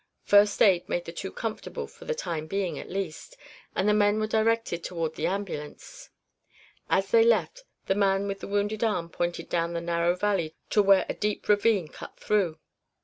First aid made the two comfortable for the time being at least and the men were directed toward the ambulance. As they left, the man with the wounded arm pointed down the narrow valley to where a deep ravine cut through.